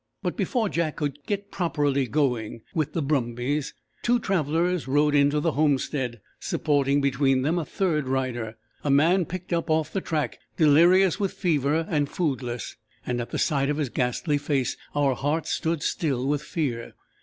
But before Jack could "get properly going" with the brumbies, two travellers rode into the homestead, supporting between them a third rider, a man picked up off the track delirious with fever, and foodless; and at the sight of his ghastly face our hearts stood still with fear.